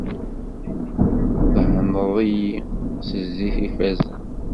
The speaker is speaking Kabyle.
Tdehneḍ-iyi s zzit ifazen.